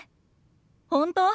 本当？